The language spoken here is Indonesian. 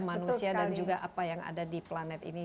manusia dan juga apa yang ada di planet ini